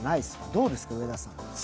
どうですか、上田さん。